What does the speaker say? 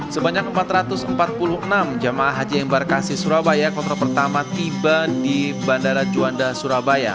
sebanyak empat ratus empat puluh enam jemaah haji yang berkasi surabaya ke lontar pertama tiba di bandara juanda surabaya